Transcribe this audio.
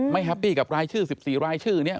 แฮปปี้กับรายชื่อ๑๔รายชื่อนี้